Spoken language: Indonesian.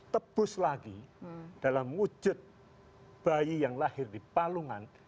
tebus lagi dalam wujud bayi yang lahir di palungan